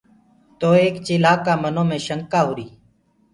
تو ايڪ چيلهآ ڪآ منو مي شکآ هُوآري۔